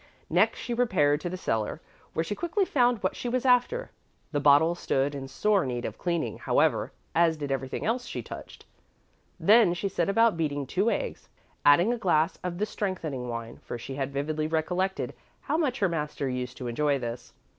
Next she repaired to the cellar where she quickly found what she was after; the bottle stood in sore need of cleaning, however, as did everything else she touched. Then she set about beating two eggs, adding a glass of the strengthening wine, for she had vividly recollected how much her master used to enjoy this.